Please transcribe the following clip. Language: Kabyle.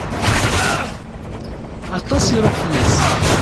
Aṭas i ruɣ fell-as.